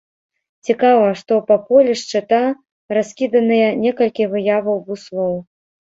Цікава, што па полі шчыта раскіданыя некалькі выяваў буслоў.